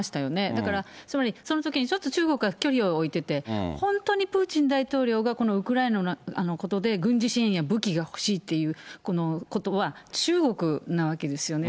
だからつまり、そのときにちょっと中国は距離を置いてて、本当にプーチン大統領がこのウクライナのことで軍事支援や武器が欲しいっていうことは、中国なわけですよね。